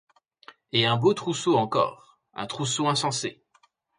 Et un beau trousseau encore! un trousseau insensé.